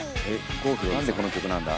なんでこの曲なんだ？